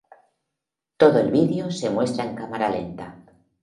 Todo el vídeo se muestra en cámara lenta.